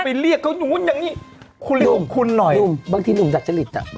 ไปเรียกเขาอย่างงี้คุณเรียกของคุณหน่อยนุ่มนุ่มบางทีนุ่มดัดฉลิตอ่ะ